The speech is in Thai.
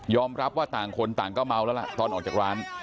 รับว่าต่างคนต่างก็เมาแล้วล่ะตอนออกจากร้าน